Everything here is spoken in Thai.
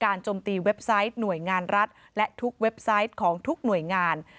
โจมตีเว็บไซต์หน่วยงานรัฐและทุกเว็บไซต์ของทุกหน่วยงาน